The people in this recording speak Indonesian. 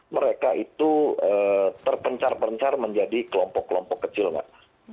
mereka itu terpencar pencar menjadi kelompok kelompok kecil mbak